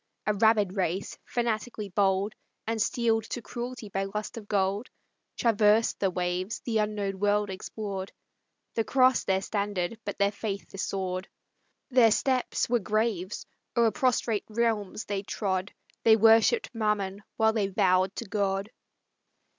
A rabid race, fanatically bold, And steel'd to cruelty by lust of gold, Traversed the waves, the unknown world explored, The cross their standard, but their faith the sword; Their steps were graves; o'er prostrate realms they trod; They worshipp'd Mammon while they vow'd to God.